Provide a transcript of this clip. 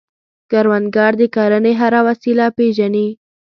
کروندګر د کرنې هره وسیله پېژني